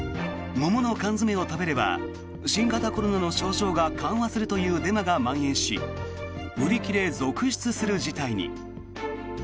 桃の缶詰を食べれば新型コロナの症状が緩和するというデマがまん延し売り切れ続出する事態に。